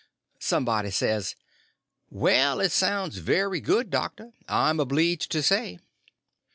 Somebody says: "Well, it sounds very good, doctor, I'm obleeged to say."